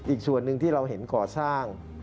อีกส่วนหนึ่งที่เราเห็นก่อสร้าง